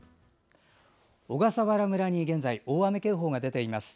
小笠原村に現在大雨警報が出ています。